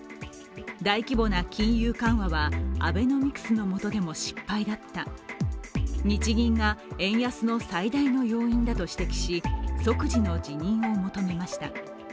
大規模な金融緩和はアベノミクスのもとでも失敗だった、日銀が円安の最大の要因だと指摘し即時の辞任を求めました。